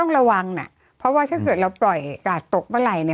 ระวังนะเพราะว่าถ้าเกิดเราปล่อยก่าตกเวลา